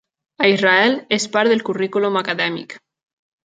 A Israel, és part del currículum acadèmic.